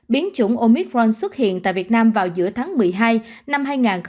biến chủng omitron xuất hiện tại việt nam vào giữa tháng một mươi hai năm hai nghìn hai mươi